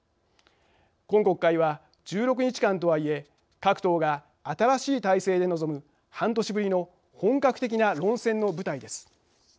今国会は１６日間とはいえ各党が新しい体制で臨む半年ぶりの本格的な論戦の舞台です。